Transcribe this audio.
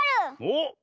おっ。